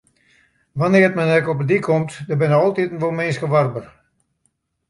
Hoenear't men ek op 'e dyk komt, der binne altyd wol minsken warber.